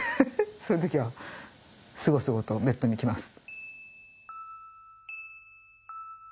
そういう時はすごすごとベッドに行きます。